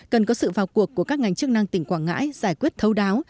cần có sự vào cuộc của các ngành chức năng tỉnh quảng ngãi giải quyết thấu đáo